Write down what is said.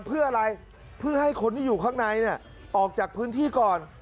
เพื่ออะไรเพื่อให้คนที่อยู่ข้างในออกจากพื้นที่ก่อน